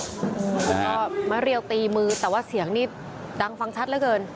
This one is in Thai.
แล้วก็มาเรียวตีมือแต่ว่าเสียงนี่ดังฟังชัดเหลือเกิน